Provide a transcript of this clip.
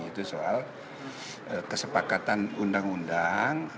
itu soal kesepakatan undang undang